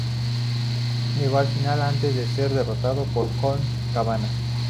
Llegó a la final antes de ser derrotado por Colt Cabana.